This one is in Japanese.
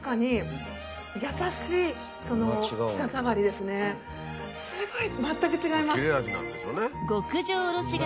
すごい全く違います。